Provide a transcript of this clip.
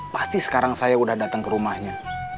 pasti sekarang saya udah datang ke rumahnya